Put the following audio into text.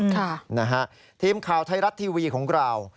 ค่ะนะฮะทีมข่าวไทยรัฐทีวีของเรา